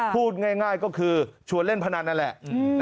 พูดง่ายก็คือชวนเล่นพนันนั่นแหละ